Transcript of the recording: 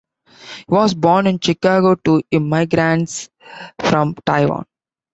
He was born in Chicago to immigrants from Taiwan.